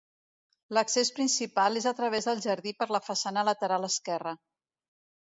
L'accés principal és a través del jardí per la façana lateral esquerra.